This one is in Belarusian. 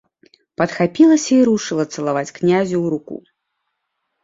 Падхапілася і рушыла цалаваць князю ў руку.